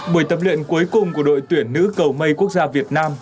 buổi tập luyện cuối cùng của đội tuyển nữ cầu mây quốc gia việt nam